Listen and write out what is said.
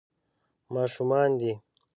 ماشومان دي.